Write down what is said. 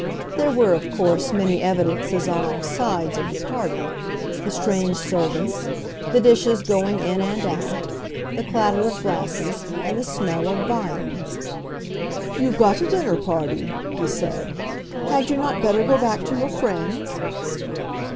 There were of course many evidences on all sides of the party, the strange servants, the dishes going in and out, the clatter of glasses, and the smell of viands. "You've got a dinner party," he said. "Had you not better go back to your friends?"